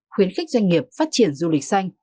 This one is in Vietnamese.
khuyến khích doanh nghiệp phát triển du lịch xanh